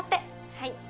はい。